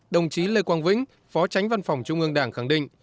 đồng chí lê quang vĩnh phó tránh văn phòng trung ương đảng khẳng định